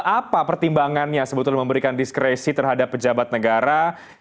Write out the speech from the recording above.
apa pertimbangannya sebetulnya memberikan diskresi terhadap pejabat negara